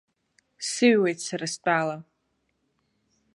Сыҩуеит сара стәала.